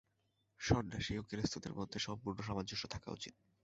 সন্ন্যাসী ও গৃহস্থদের মধ্যে পূর্ণ সামঞ্জস্য থাকা উচিত।